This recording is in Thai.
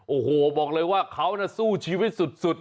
โอ้โหบอกเลยว่าเขาน่ะสู้ชีวิตสุด